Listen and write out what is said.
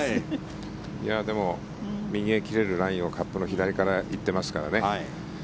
でも、右へ切れるラインをカップの左から行ってますからね。